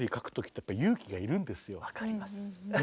分かります。ね？